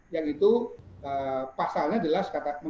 yang itu pasalnya jelas kata kami